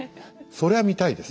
そりゃ見たいです。